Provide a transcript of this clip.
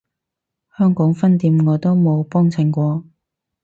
香港分店我都冇幫襯過